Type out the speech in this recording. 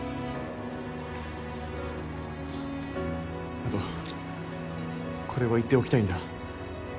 あとこれは言っておきたいんだ。